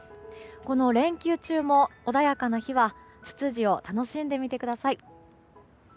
この連休中も、穏やかな日はツツジを楽しんでみてください。